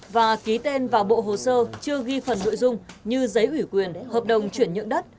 và ký tên vào bộ hồ sơ chưa ghi phần nội dung như giấy ủy quyền hợp đồng chuyển nhượng đất